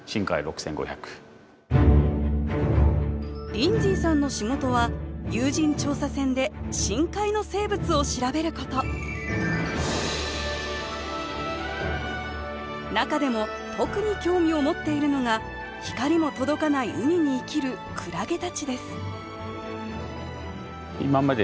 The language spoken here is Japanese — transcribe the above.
リンズィーさんの仕事は有人調査船で深海の生物を調べること中でも特に興味を持っているのが光も届かない海に生きるクラゲたちです